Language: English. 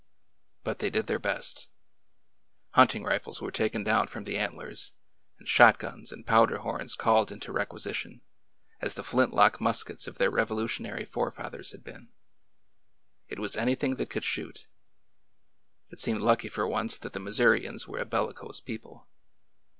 But they did their best. Hunting rifles were taken down from the antlers, and shot guns and powder horns called into requisition, as the flint lock muskets of their Revolutionary forefathers had been. It was anything that could shoot 1 It seemed lucky for once that the Mis sourians were a bellicose people.